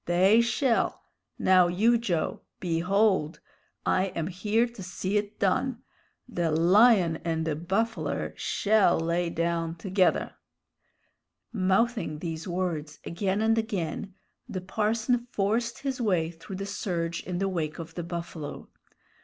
They shell! Now, you, Joe! Behold! I am here to see it done. The lion and the buffler shell lay down together!" Mouthing these words again and again, the parson forced his way through the surge in the wake of the buffalo.